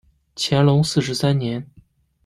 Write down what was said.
乾隆四十三年。